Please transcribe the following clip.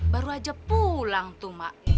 baru aja pulang tuh mak